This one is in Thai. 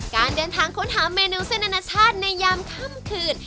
การเดินทางค้นหาเมนูเส้นอนาชาติในยามค่ำคืน